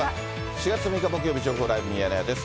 ４月６日木曜日、情報ライブミヤネ屋です。